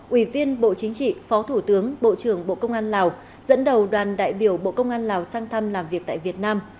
ủy viên bộ chính trị phó thủ tướng bộ trưởng bộ công an lào dẫn đầu đoàn đại biểu bộ công an lào sang thăm làm việc tại việt nam